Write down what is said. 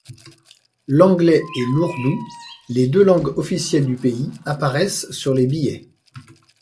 L'anglais et l'ourdou, les deux langues officielles du pays, apparaissent sur les billets.